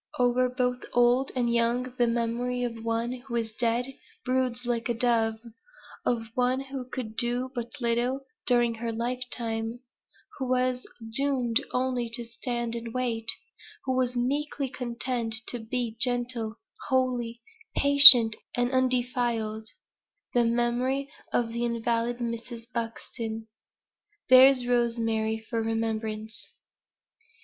Over both old and young the memory of one who is dead broods like a dove of one who could do but little during her lifetime who was doomed only to "stand and wait" who was meekly content to be gentle, holy, patient, and undefiled the memory of the invalid Mrs. Buxton. "THERE'S ROSEMARY FOR REMEMBRANCE."